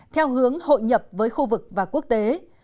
theo hướng hội nhập với khu vực và quốc tế